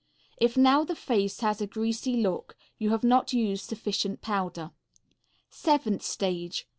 If now the face has a greasy look, you have not used sufficient powder. _Seventh stage.